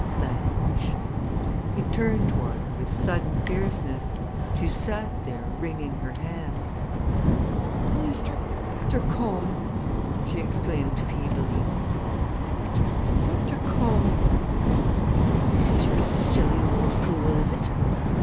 "Blanche " He turned toward her with sudden fierceness. She sat there, wringing her hands. "Mr. Bundercombe!" she exclaimed feebly. "Mr. Bundercombe!" "So this is your silly old fool, is it?"